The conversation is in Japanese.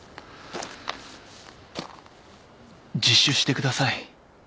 自首してください。